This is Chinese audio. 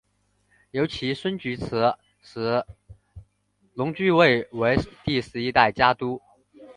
由其孙菊池时隆继位为第十一代家督。